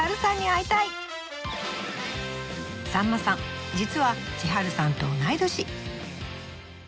さんまさん実は千春さんと同い年。